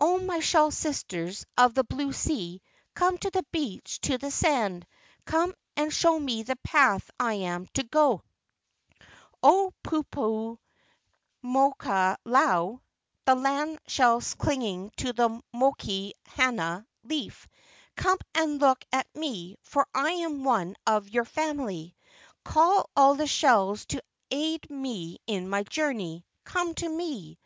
Oh, my shell sisters of the blue sea, come to the beach, to the sand! Come and show me the path I am to go! Oh, Pupu * Vaccinium penduliformis. LA U KA IEIE 41 moka lau [the land shell clinging to the moki hana* leaf], come and look at me, for I am one of your family! Call all the shells to aid me in my journey! Come to me!"